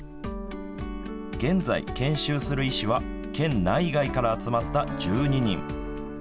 現在、研修する医師は県内外から集まった１２人。